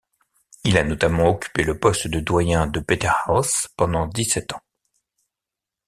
Il a notamment occupé le poste de doyen de Peterhouse pendant dix-sept ans.